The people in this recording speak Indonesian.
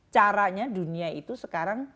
caranya dunia itu sekarang